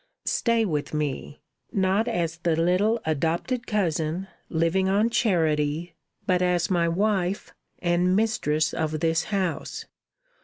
Stay with me, not as the little adopted cousin, living on charity, but as my wife, and mistress of this house.